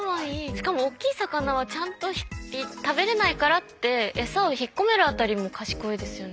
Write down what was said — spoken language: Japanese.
しかも大きい魚はちゃんと食べれないからってエサを引っ込めるあたりも賢いですよね。